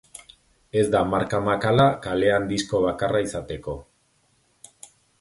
Ez da marka makala kalean disko bakarra izateko.